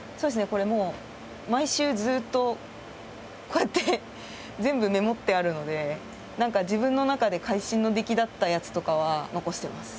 これもう毎週ずっとこうやって全部メモってあるのでなんか自分の中で会心の出来だったやつとかは残してます。